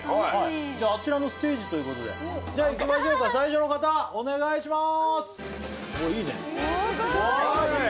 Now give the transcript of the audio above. あちらのステージということでじゃあいきましょうか最初の方お願いします！